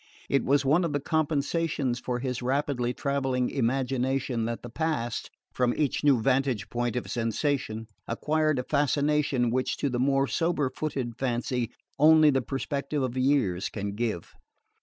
It was one of the compensations of his rapidly travelling imagination that the past, from each new vantage ground of sensation, acquired a fascination which to the more sober footed fancy only the perspective of years can give.